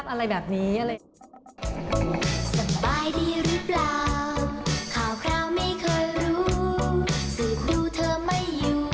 โปรดติดตามตอนต่อไป